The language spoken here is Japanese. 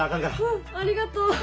うんありがとう。